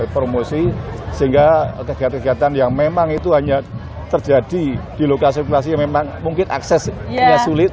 promosi sehingga kegiatan kegiatan yang memang itu hanya terjadi di lokasi lokasi yang memang mungkin aksesnya sulit